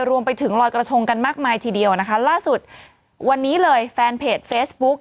รวมไปถึงลอยกระทงกันมากมายทีเดียวนะคะล่าสุดวันนี้เลยแฟนเพจเฟซบุ๊ก